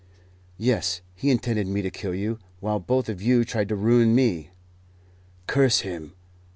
"Yes; he intended me to kill you, while both of you tried to ruin me." "Curse him!